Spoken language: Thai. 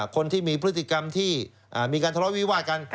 คนที่มีพฤติกรรมที่มีการทะเลาะวิวาดกัน